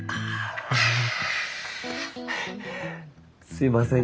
すいません